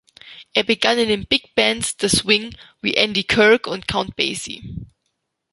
Er begann in den Big Bands des Swing, wie Andy Kirk und Count Basie.